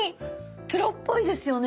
プロっぽいですよね？